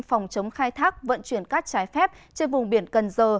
phòng chống khai thác vận chuyển cát trái phép trên vùng biển cần giờ